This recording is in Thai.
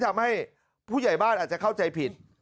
ทำให้ผู้ใหญ่บ้านอาจจะเข้าใจผิด